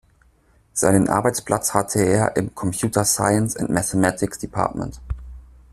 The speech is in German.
Seinen Arbeitsplatz hatte er im "Computer Science and Mathematics Department".